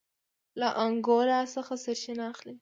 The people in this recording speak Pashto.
له انګولا څخه سرچینه اخلي.